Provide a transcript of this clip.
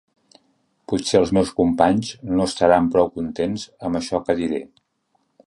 Potser els meus companys no estaran prou contents amb això que diré.